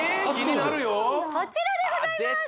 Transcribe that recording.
こちらでございます！